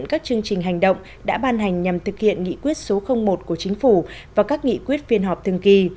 các chương trình hành động đã ban hành nhằm thực hiện nghị quyết số một của chính phủ và các nghị quyết phiên họp thường kỳ